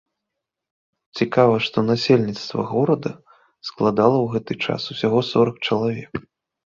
Цікава, што насельніцтва горада складала ў гэты час усяго сорак чалавек.